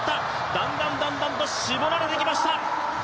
だんだんと絞られてきました。